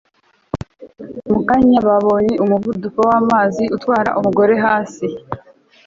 mukanya, babonye umuvuduko wamazi utwara umugore hasi a